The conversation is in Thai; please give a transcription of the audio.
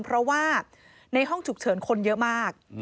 เพราะว่าในห้องฉุกเฉินคนเยอะมาก